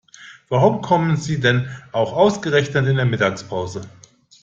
Warum kommen Sie denn auch ausgerechnet in der Mittagspause?